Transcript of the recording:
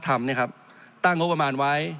จริงโครงการนี้มันเป็นภาพสะท้อนของรัฐบาลชุดนี้ได้เลยนะครับ